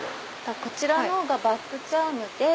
こちらのほうがバッグチャーム。